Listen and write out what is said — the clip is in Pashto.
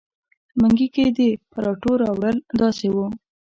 منګي کې د پراټو راوړل داسې وو.